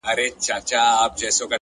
د سترگو کسي چي دي سره په دې لوگيو نه سي.